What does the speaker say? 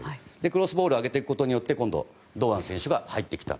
クロスボールを上げることによって堂安選手が入ってきた。